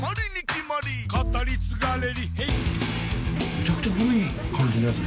むちゃくちゃ古い感じのやつ。